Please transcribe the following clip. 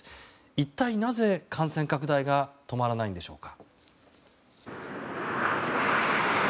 一体なぜ、感染拡大が止まらないんでしょうか。